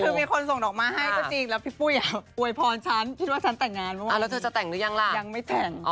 คือมีคนส่งออกมาให้